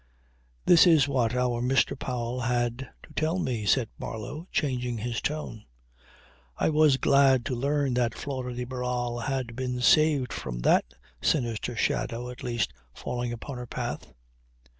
"This is what our Mr. Powell had to tell me," said Marlow, changing his tone. I was glad to learn that Flora de Barral had been saved from that sinister shadow at least falling upon her path.